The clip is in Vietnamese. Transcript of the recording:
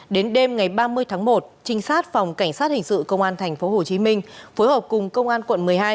đến đêm ngày ba mươi tháng một trinh sát phòng cảnh sát hình sự công an tp hcm phối hợp cùng công an quận một mươi hai